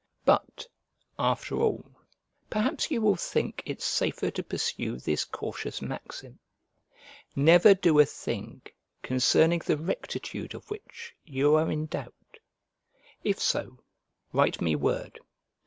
But, after all, perhaps you will think it safer to pursue this cautious maxim: "Never do a thing concerning the rectitude of which you are in doubt;" if so, write me word.